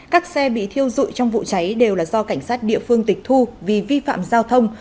các xe bị thiêu dụi trong vụ cháy đều là do cảnh sát địa phương tịch thu vì vi phạm giao thông